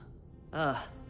ああ。